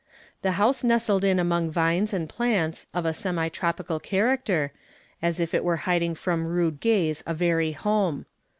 The house nestled in among vines and plants of a semi tropical character, as if it were hiding from rude gaze a very home.